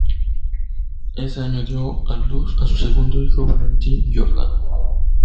Ese año dio a luz a su segundo hijo Valentín Giordano.